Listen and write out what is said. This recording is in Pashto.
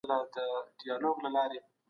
وکیلانو نوي قوانین تصویبول.